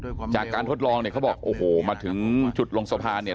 จากการทดลองเนี่ยเขาบอกโอ้โหมาถึงจุดลงสะพานเนี่ย